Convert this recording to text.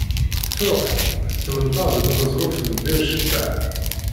Tṛuḥ, tettmenṭar deg uneẓruf n Bir Cibaɛ.